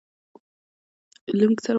له موږ سره وغږېد